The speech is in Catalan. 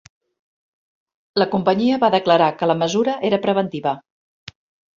La companyia va declarar que la mesura era preventiva.